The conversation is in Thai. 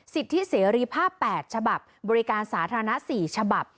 สิทธิเสรีภาพ๘ฉบับบริการสาธารณะ๔ฉบับ